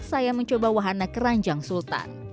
saya mencoba wahana keranjang sultan